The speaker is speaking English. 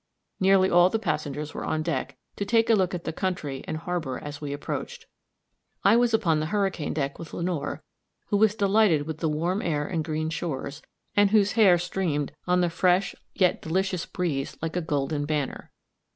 Nearly all the passengers were on deck, to take a look at the country and harbor as we approached. I was upon the hurricane deck with Lenore, who was delighted with the warm air and green shores, and whose hair streamed on the fresh yet delicious breeze like a golden banner.